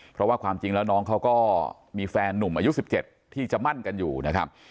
เพราะว่าความจริงแล้วน้องเขาก็มีแฟนหนุ่มอายุ๑๗ที่จะมั่นกันอยู่นะครับ